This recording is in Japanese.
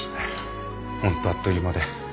本当あっという間で。